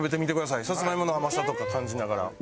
さつまいもの甘さとか感じながら。